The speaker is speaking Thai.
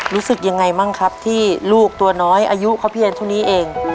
รู้สึกยังไงบ้างครับที่ลูกตัวน้อยอายุเขาเพียงเท่านี้เอง